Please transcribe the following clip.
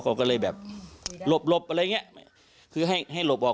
เขาก็เลยแบบหลบหลบอะไรอย่างเงี้ยคือให้ให้หลบออก